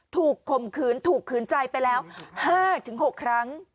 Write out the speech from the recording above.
ถูกคมคืนถูกคืนใจไปแล้ว๕๖ครั้ง